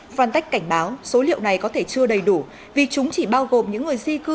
frontex cảnh báo số liệu này có thể chưa đầy đủ vì chúng chỉ bao gồm những người di cư